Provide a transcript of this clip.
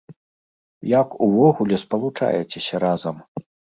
Як увогуле спалучаецеся разам?